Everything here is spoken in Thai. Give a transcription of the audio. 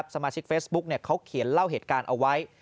สมาชิกเฟซบุ๊คเขาเขียนเล่าเหตุการณ์เอาไว้